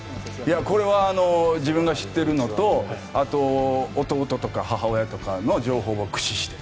これは自分が知ってるのとあと、弟とか母親とかの情報を駆使して。